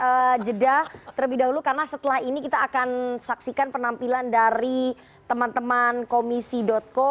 kita jeda terlebih dahulu karena setelah ini kita akan saksikan penampilan dari teman teman komisi co